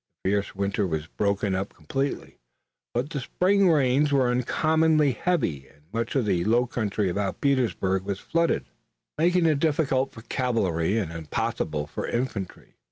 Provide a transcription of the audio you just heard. The fierce winter was broken up completely, but the spring rains were uncommonly heavy and much of the low country about Petersburg was flooded, making it difficult for cavalry and impossible for infantry.